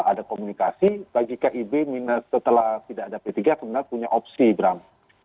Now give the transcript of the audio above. ada komunikasi bagi kib setelah tidak ada p tiga sebenarnya punya opsi ibram